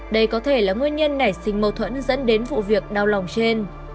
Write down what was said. đây có thể là nguyên nhân nảy sinh mâu thuẫn dẫn đến vụ việc đau lòng trên